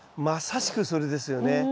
まさしくそれですよね。